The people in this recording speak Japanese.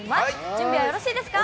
準備はよろしいですか？